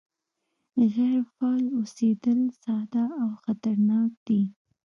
غیر فعال اوسېدل ساده او خطرناک دي